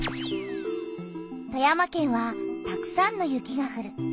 富山県はたくさんの雪がふる。